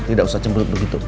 tidak usah cemburu begitu